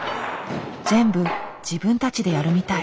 全部自分たちでやるみたい。